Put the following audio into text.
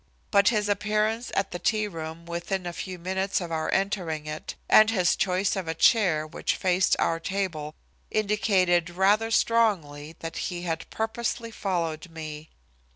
But his appearance at the tea room within a few minutes of our entering it, and his choice of a chair which faced our table indicated rather strongly that he had purposely followed me.